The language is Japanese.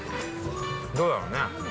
どうだろうね。